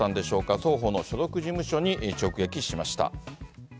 双方の所属事務所に直撃しました。